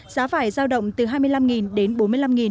giá vải giao động từ hai mươi năm đến